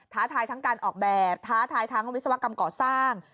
ท้าทายทั้งการออกแบบท้าทายทั้งวิศวกรรมก่อสร้าง